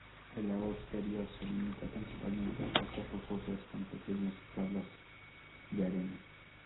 El lago exterior se limita principalmente a costas rocosas con pequeñas calas de arena.